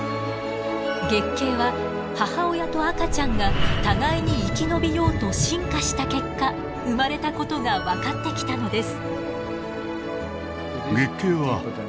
月経は母親と赤ちゃんが互いに生き延びようと進化した結果生まれたことが分かってきたのです。